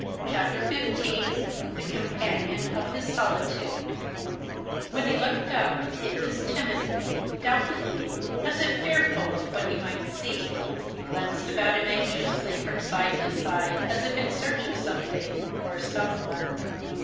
CHAPTER XV THE COMPANION OF HIS SOLITUDE When he looked up, it was timidly, doubtfully, as if fearful of what he might see. He glanced about him anxiously from side to side, as if in search of something or some one.